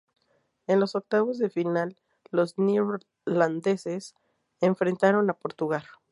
En los octavos de final, los neerlandeses enfrentaron a Portugal.